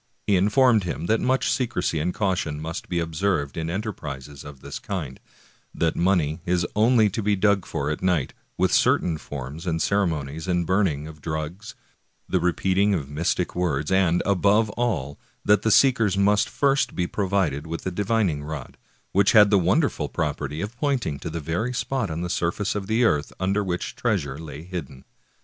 He informed him that much secrecy and caution must be observed in enterprises of the kind; that money is only to be dug for at night, with cer tain forms and ceremonies and burning of drugs, the repeat ing of mystic words, and, above all, that the seekers must first be provided with a divining rod,^ which had the won derful property of pointing to the very spot on the surface of the earth under which treasure lay hidden.